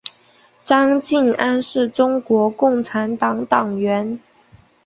张敬安是中国共产党党员。